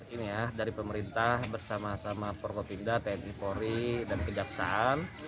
ini ya dari pemerintah bersama sama forkopimda tni polri dan kejaksaan